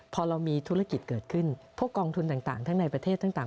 พอเรามีธุรกิจเกิดขึ้นพวกกองทุนต่างทั้งในประเทศต่าง